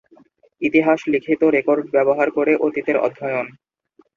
ইতিহাস লিখিত রেকর্ড ব্যবহার করে অতীতের অধ্যয়ন।